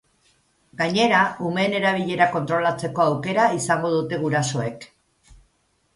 Gainera, umeen erabilera kontrolatzeko aukera izango dute gurasoek.